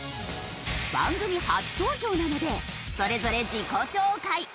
番組初登場なのでそれぞれ自己紹介。